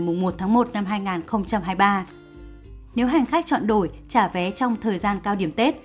nếu hành khách chọn đổi trả vé trong thời gian cao điểm tết